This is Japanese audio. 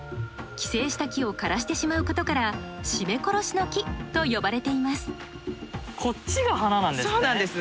寄生した木を枯らしてしまうことから「締め殺しの木」と呼ばれていますそうなんです。